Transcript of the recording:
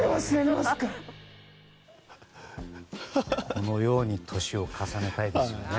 このように年を重ねたいですよね。